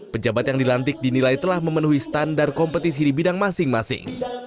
pejabat yang dilantik dinilai telah memenuhi standar kompetisi di bidang masing masing